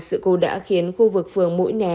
sự cố đã khiến khu vực phường mũi né